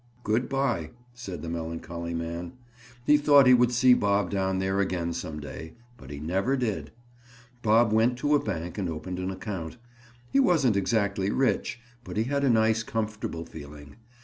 "Good by," said the melancholy man. He thought he would see Bob down there again some day, but he never did. Bob went to a bank and opened an account. He wasn't exactly rich but he had a nice comfortable feeling.